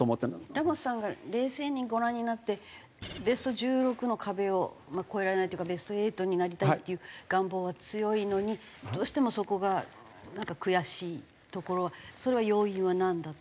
ラモスさんが冷静にご覧になってベスト１６の壁を越えられないっていうかベスト８になりたいっていう願望は強いのにどうしてもそこがなんか悔しいところはそれは要因はなんだと？